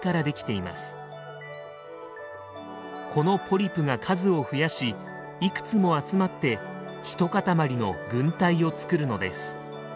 このポリプが数を増やしいくつも集まって一塊の「群体」を作るのです。